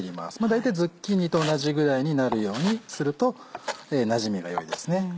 大体ズッキーニと同じぐらいになるようにするとなじみが良いですね。